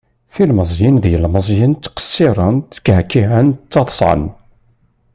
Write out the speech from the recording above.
Tilmeẓyin d yilmeẓyen, tqesiren, tkeɛkiɛen taḍṣan.